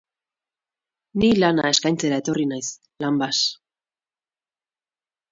Ni lana eskaintzera etorri naiz, Lanbas.